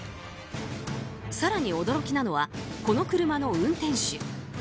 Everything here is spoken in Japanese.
更に驚きなのは、この車の運転手。